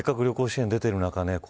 せっかく旅行支援が出ている中